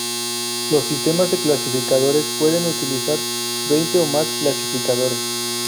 Los sistemas de clasificadores pueden utilizar veinte o más clasificadores.